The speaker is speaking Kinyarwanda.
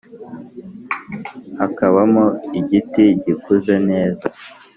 hakaba mo igiti gikuze neza,